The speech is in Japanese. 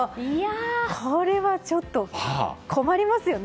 これはちょっと困りますよね。